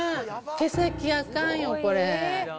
毛先あかんよ、これ。